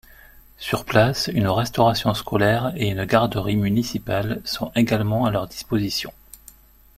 Sur place, une restauration scolaire et une garderie municipale sont également à leur disposition.